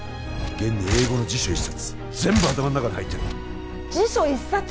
現に英語の辞書一冊全部頭の中に入ってる辞書一冊！？